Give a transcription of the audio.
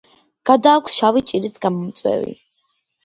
გადააქვს შავი ჭირის გამომწვევი.